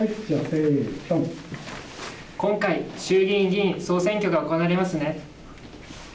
今回、衆議院議員総選挙が行われますね。